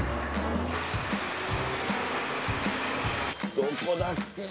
どこだっけ？